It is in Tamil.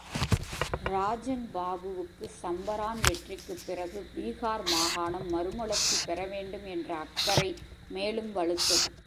இராஜன் பாபுவுக்கு சம்பரான் வெற்றிக்குப் பிறகு, பீகார் மாகாணம் மறுமலர்ச்சி பெற வேண்டும் என்ற அக்கறை மேலும் வலுத்தது.